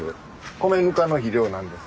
米ぬかの肥料なんです。